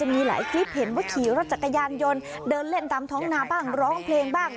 มีหลายคลิปเห็นว่าขี่รถจักรยานยนต์เดินเล่นตามท้องนาบ้างร้องเพลงบ้าง